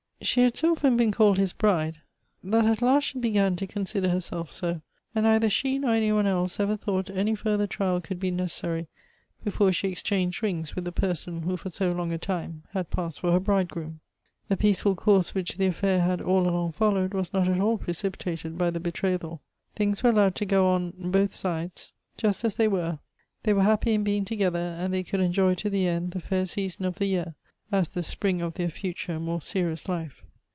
She had so often been called his bride that at last she began to consider herself so, and neither she nor any one else ever thought any further trial could be necessary before she exchanged rings with the person who for so long a time had passed for her bridegroom. " The peaceful course which the affair had all along followed was not at all precipitated by the betrothal. Things were allowed to go on both sides just as they wei'e ; they were happy in being together, and they could enjoy to the end the fair season of the year as the spring of their future more serious life.